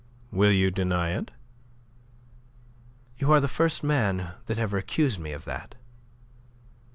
"Will you deny it?" "You are the first man that ever accused me of that."